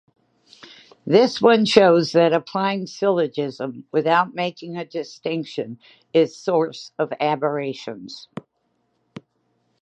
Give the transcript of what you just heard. This one shows that applying syllogism without making a distinction is source of aberrations.